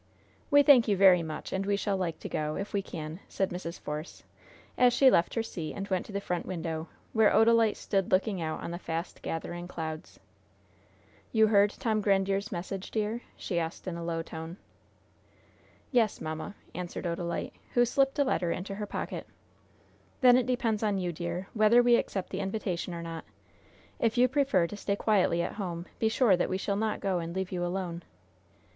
"We thank you very much, and we shall like to go, if we can," said Mrs. Force, as she left her seat and went to the front window, where Odalite stood looking out on the fast gathering clouds. "You heard Tom Grandiere's message, dear?" she asked, in a low tone. "Yes, mamma," answered Odalite, who slipped a letter into her pocket. "Then it depends on you, dear, whether we accept the invitation or not. If you prefer to stay quietly at home, be sure that we shall not go and leave you alone."